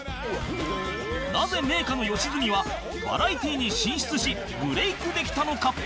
なぜ名家の良純はバラエティに進出しブレイクできたのか？